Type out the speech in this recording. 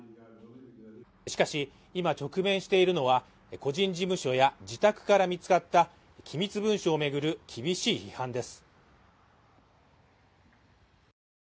しかし、今、直面しているのは、個人事務所や自宅から見つかった機密文書を巡る厳しい批判です。